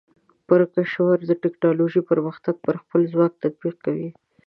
پرکمشر د ټیکنالوجۍ پرمختګ پر خپل ځواک تطبیق کوي.